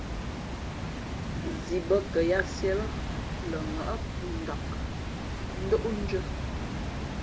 Zi bᾱ kαyǎt sīē lά, lα ŋάʼ pα nlak ndóʼndʉ̄ᾱ.